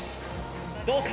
どうか！